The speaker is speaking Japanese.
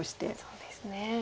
そうですね。